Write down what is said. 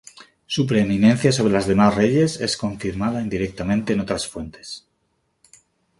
Su preeminencia sobre las demás reyes es confirmada indirectamente en otras fuentes.